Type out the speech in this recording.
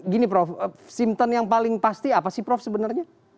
gini prof simpton yang paling pasti apa sih prof sebenarnya